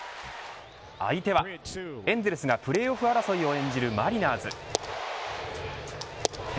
相手はエンゼルスがプレーオフ争いを演じるマリナーズ。